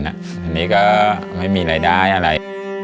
อันนี้ก็ไม่มีรายได้อะไร